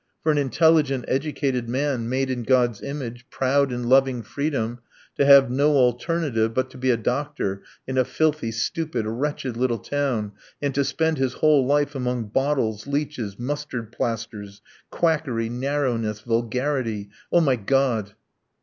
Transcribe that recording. For an intelligent, educated man, made in God's image, proud and loving freedom, to have no alternative but to be a doctor in a filthy, stupid, wretched little town, and to spend his whole life among bottles, leeches, mustard plasters! Quackery, narrowness, vulgarity! Oh, my God!"